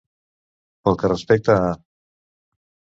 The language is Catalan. Pel que respecta a.